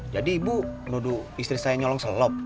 jadi bu nuduh istri saya nyolong selop